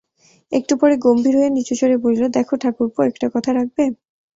একটু পরে গম্ভীর হইয়া নিচু সুরে বলিল, দেখো ঠাকুরপো, একটা কথা রাখবে?